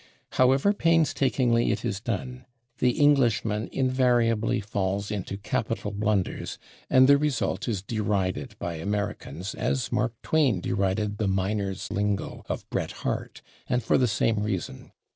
However painstakingly it is done, the Englishman invariably falls into capital blunders, and the result is derided by Americans as Mark Twain derided the miners' lingo of Bret Harte, and for the same reason.